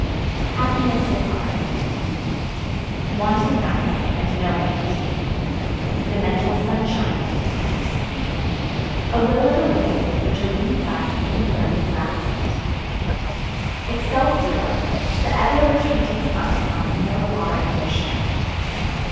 HAPPINESS DEFINED. Wanting nothing and knowing it. The mental sunshine of content. A "will o' the wisp" which eludes us even when we grasp it. Excelsior! The ever retreating summit on the hill of our ambition.